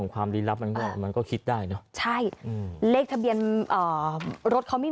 ของความดีรับมันก็มันก็คิดได้ใช่เลขทะเบียนรถเขาไม่